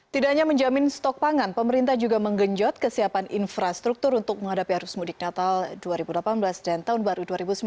tidak hanya menjamin stok pangan pemerintah juga menggenjot kesiapan infrastruktur untuk menghadapi arus mudik natal dua ribu delapan belas dan tahun baru dua ribu sembilan belas